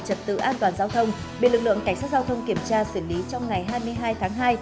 trật tự an toàn giao thông bị lực lượng cảnh sát giao thông kiểm tra xử lý trong ngày hai mươi hai tháng hai